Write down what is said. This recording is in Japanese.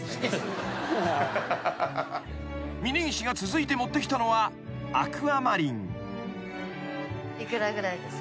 ［峯岸が続いて持ってきたのはアクアマリン］